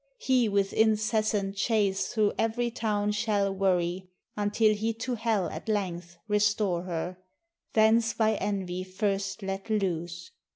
He with incessant chase through every town Shall worry, until he to hell at length Restore her, thence by envy first let loose.